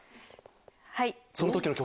はい。